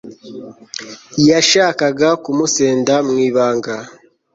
yashakaga kumusenda mu ibanga